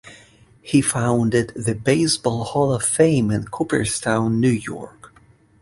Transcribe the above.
He founded the Baseball Hall of Fame in Cooperstown, New York.